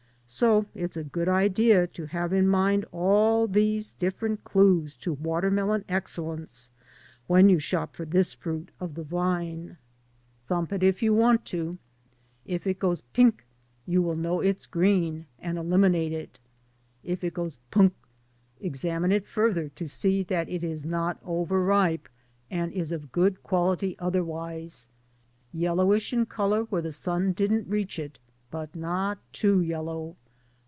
So it's a good idea to have in mind all these different clues to raennelon excellence when you shop for this fruit of the vine. Thump it if you want to. If it goes "pink" you will know it's green and eliminate it. If it goes "punk" examine it further to see that it is not over ride and is of good quality otherwise. Yellowish in color where the sun didn't reach it, tut not too yellow.